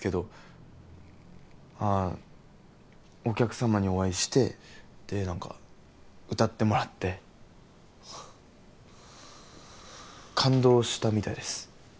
お客様にお会いしてで何か歌ってもらって感動したみたいです